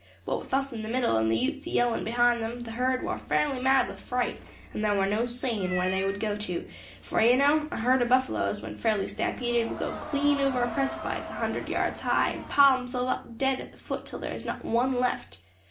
What with us in the middle, and the Utes yelling behind them, the herd war fairly mad with fright; and there war no saying where they would go to, for, you know, a herd of buffaloes, when fairly stampeded, will go clean over a precipice a hundred yards high, and pile themselves up dead at the foot till there is not one left.